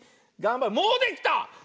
もうできた！